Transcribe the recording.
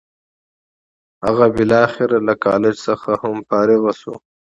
هغه بالاخره له کالج څخه هم فارغ شو.